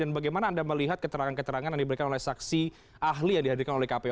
dan bagaimana anda melihat keterangan keterangan yang diberikan oleh saksi ahli yang dihadirkan oleh kpu